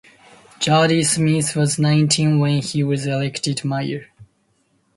Jody Smith was nineteen when he was elected mayor.